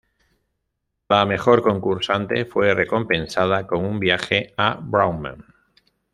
La mejor concursante fue recompensada con un viaje a Broome.